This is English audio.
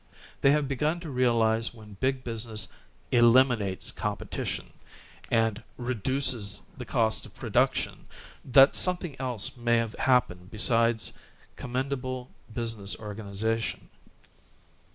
They have begun to realize when big business "eliminates competition" and "reduces the cost of production" that something else may have happened besides commendable business organization.